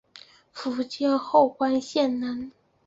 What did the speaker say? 福建侯官县人。